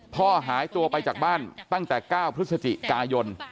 หายตัวไปจากบ้านตั้งแต่๙พฤศจิกายน